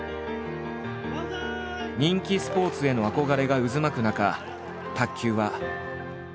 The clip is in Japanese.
人気スポーツへの憧れが渦巻く中卓球は。